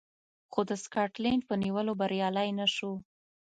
خو د سکاټلنډ په نیولو بریالی نه شو